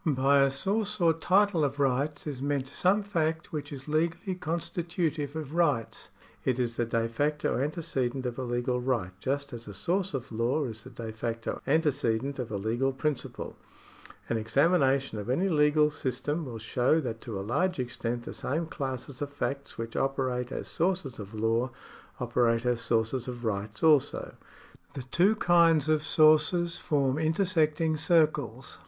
By a source or title of rights is meant some fact which is legally constitutive of rights. It is the de facto antecedent of a legal right just as a source of law is the de facto antecedent of a legal principle. An examination of any legal system will show that to a large extent the same classes of facts which operate as sources of law operate as sources of rights also. The two kinds of sources form intersecting circles.